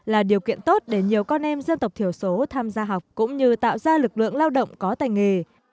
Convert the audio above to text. là điều kiện tốt để nhiều con em dân tộc thiểu số tham gia học cũng như tạo ra lực lượng lao động có tài nghề